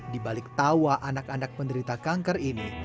di balik tawa anak anak penderita kanker ini